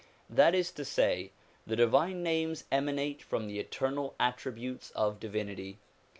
That is to say, the divine names emanate from the eternal attributes of divinity.